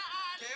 ya pasti ya